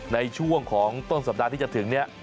ในช่วงของต้นสัปดาห์ที่จะถึงเนี่ย